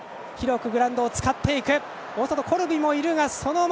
グラウンドを広く使っていく。